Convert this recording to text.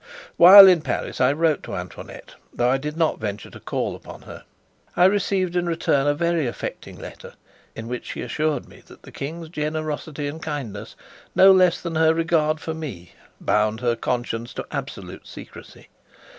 While in Paris I wrote to Antoinette, though I did not venture to call upon her. I received in return a very affecting letter, in which she assured me that the King's generosity and kindness, no less than her regard for me, bound her conscience to absolute secrecy.